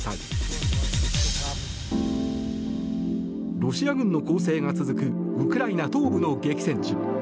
ロシア軍の攻勢が続くウクライナ東部の激戦地。